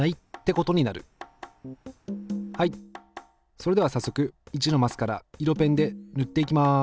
それでは早速１のマスから色ペンで塗っていきます。